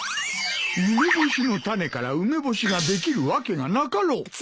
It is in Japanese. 梅干しの種から梅干しができるわけがなかろう。